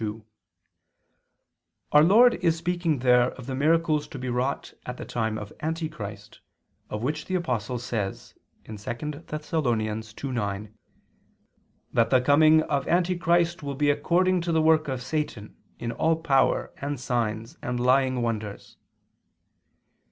2: Our Lord is speaking there of the miracles to be wrought at the time of Antichrist, of which the Apostle says (2 Thess. 2:9) that the coming of Antichrist will be "according to the working of Satan, in all power, and signs, and lying wonders."